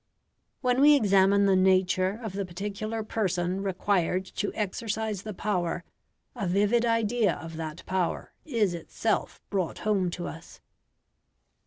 When we examine the nature of the particular person required to exercise the power, a vivid idea of that power is itself brought home to us.